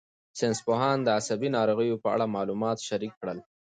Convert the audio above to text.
ساینسپوهان د عصبي ناروغیو په اړه معلومات شریک کړل.